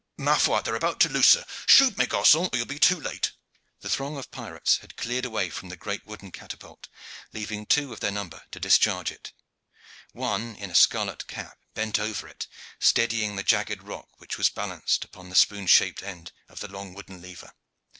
Ma foi! they are about to loose her. Shoot, mes garcons, or you will be too late." The throng of pirates had cleared away from the great wooden catapult, leaving two of their number to discharge it. One in a scarlet cap bent over it, steadying the jagged rock which was balanced on the spoon shaped end of the long wooden lever.